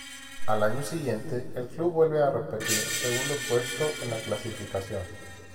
Al año siguiente el club vuelve a repetir segundo puesto en la clasificación.